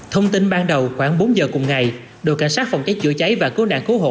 thông tin ban đầu khoảng bốn giờ cùng ngày đội cảnh sát phòng cháy chữa cháy và cứu nạn cứu hộ